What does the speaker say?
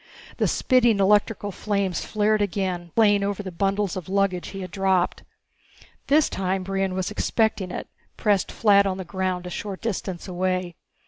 The spitting electrical flames flared again, playing over the bundles of luggage he had dropped. This time Brion was expecting it, pressed flat on the ground a short distance away.